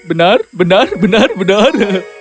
benar benar benar benar